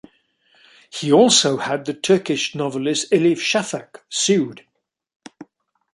He also had the Turkish novelist Elif Shafak sued.